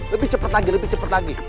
lebih cepet lagi lebih cepet lagi